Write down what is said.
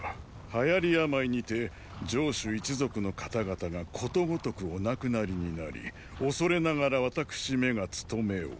流行り病にて城主一族の方々がことごとくお亡くなりになり恐れながら私めが務めを。